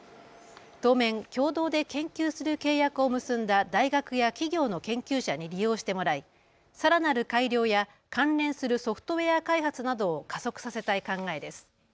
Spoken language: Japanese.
当面、共同で研究する契約を結んだ大学や企業の研究者に利用してもらい、さらなる改良や関連するソフトウエア開発などを加速させたい考えです。